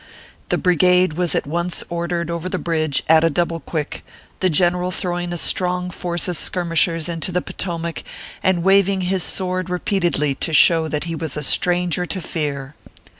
The brigade was at once ordered over the bridge at a double quick, the general throwing a strong force of skirmishers into the Potomac, and waving his sword ORPHEUS C. KERR PAPERS. 51 repeatedly to show that he was a stranger to fear.